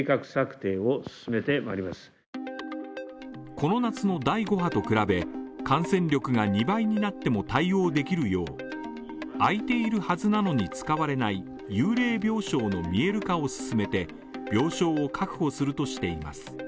この夏の第５波と比べ感染力が２倍になっても対応できるよう、空いているはずなのに使われない幽霊病床の見える化を進めて、病床を確保するとしています。